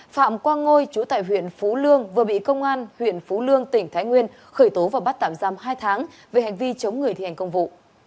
phạm quang ngôi chú tại huyện phú lương vừa bị công an huyện phú lương tỉnh thái nguyên khởi tố và bắt tạm giam hai tháng về hành vi chống người thi hành công vụ